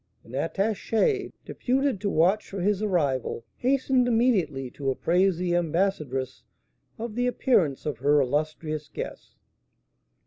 An attaché, deputed to watch for his arrival, hastened immediately to appraise the ambassadress of the appearance of her illustrious guest.